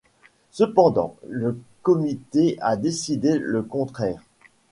Cependant le comité a décidé le contraire.